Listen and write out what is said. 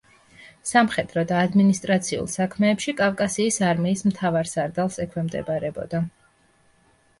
სამხედრო და ადმინისტრაციულ საქმეებში კავკასიის არმიის მთავარსარდალს ექვემდებარებოდა.